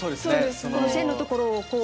この線のところをこう。